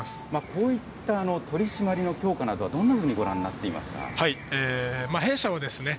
こういった取締りの強化などは、どんなふうにご覧になっていますか。